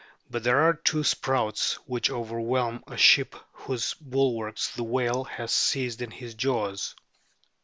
But there are two spouts which overwhelm a ship whose bul warks the whale has seized in his jaws.